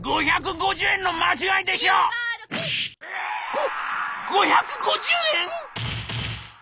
「ご５５０円！？」。